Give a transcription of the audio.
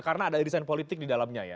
karena ada desain politik di dalamnya ya